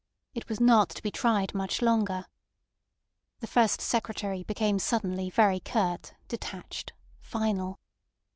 It was not to be tried much longer. The First Secretary became suddenly very curt, detached, final.